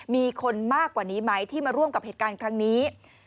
มีคนมากกว่านี้ไหมที่มาร่วมกับเหตุการณ์ครั้งนี้